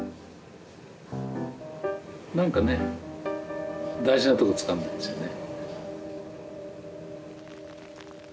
何かね大事なとこつかんでるんですよね。